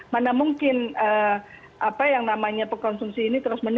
mana mungkin apa yang namanya pekonsumsi ini terus terjadi